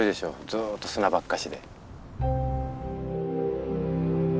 ずっと砂ばっかしで。